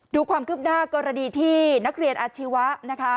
ดูความคืบหน้ากรณีที่นักเรียนอาชีวะนะคะ